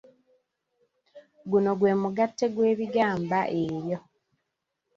Guno gwe mugattte gw'ebigamba ebyo.